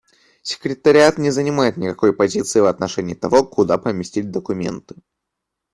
Секретариат не занимает никакой позиции в отношении того, куда поместить документы.